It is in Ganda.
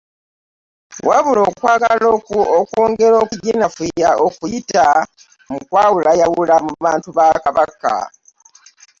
Wabula okwagala okwongera okuginafuya okuyita mu kwawulayawula mu bantu ba Kabaka.